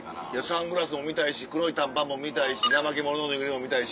サングラスも見たいし黒い短パンも見たいしナマケモノのぬいぐるみも見たいし。